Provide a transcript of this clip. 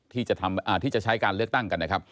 ที่จะใช้การเลือกตั้งกันนะครับ